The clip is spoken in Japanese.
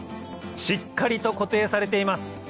しっかりと固定されています